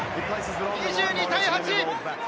２２対８。